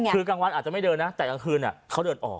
คือกลางวันอาจจะไม่เดินนะแต่กลางคืนเขาเดินออก